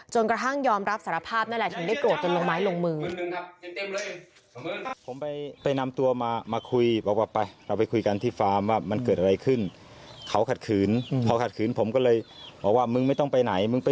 จนกระทั่งยอมรับสารภาพนั่นแหละถึงได้โกรธจนลงไม้ลงมือ